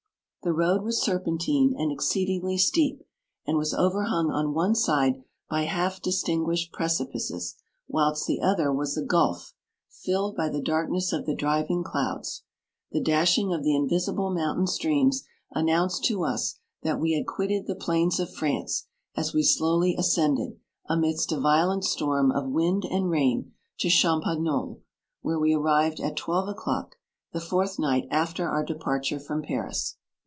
The road was serpen tine and exceedingly steep, and was overhung on one side by half distin guished precipices, whilst the other was a gulph, filled by the darkness of the driving clouds. The dashing of the invisible mountain streams an 89 nounced to us that we had quitted the plains of France, as we slowly ascended, amidst a violent storm of wind and rain, to Champagnolles, where we arrived at twelve o'clock, the fourth night after our departure from Paris.